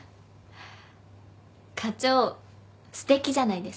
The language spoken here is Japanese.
課長すてきじゃないですか。